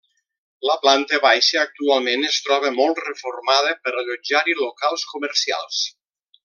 La planta baixa actualment es troba molt reformada per allotjar-hi locals comercials.